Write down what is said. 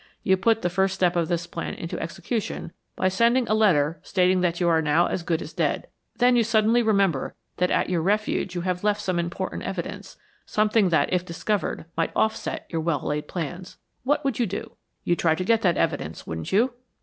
You put the first step of this plan into execution by sending a letter stating that you are now as good as dead. Then you suddenly remember that at your refuge you have left some important evidence; something that, if discovered, might offset your well laid plans. What would you do? You'd try to get that evidence, wouldn't you?"